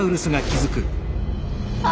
あ！